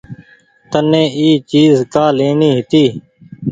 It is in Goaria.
تني اي چيز ڪآ ليڻي هيتي۔